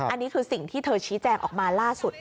อันนี้คือสิ่งที่เธอชี้แจงออกมาล่าสุด